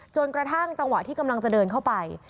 จนกระทั่งจังหวะที่กำลังจะเดินเข้าไป